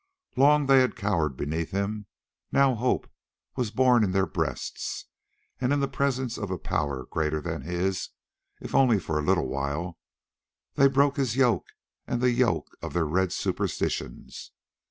Long had they cowered beneath him; now hope was born in their breasts, and in the presence of a power greater than his, if only for a little while, they broke his yoke and the yoke of their red superstitions.